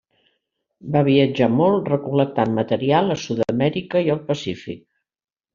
Va viatjar molt recol·lectant material a Sud-amèrica i el Pacífic.